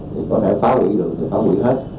thì có thể phá quỷ được thì phá quỷ hết